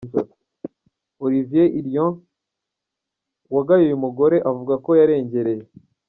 Olivier Irion, wagaye uyu mugore avuga ko yarengereye.